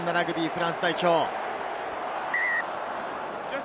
フランス代表。